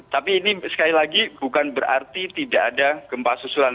tapi ini sekali lagi bukan berarti tidak ada gempa susulan